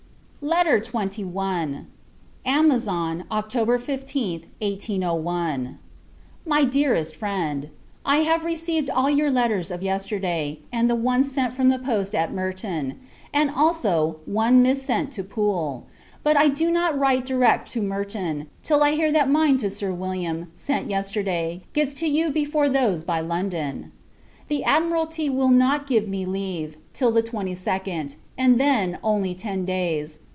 LETTER XXI. Amazon, October 15th, 1801. MY DEAREST FRIEND, I have received all your letters of yesterday, and the one sent from the post at Merton; and, also, one mis sent to Poole: but I do not write direct to Merton, till I hear that mine to Sir William, sent yesterday, gets to you before those by London. The Admiralty will not give me leave, till the 22d; and, then, only ten days.